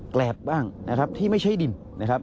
แกรบบ้างนะครับที่ไม่ใช่ดินนะครับ